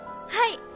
はい。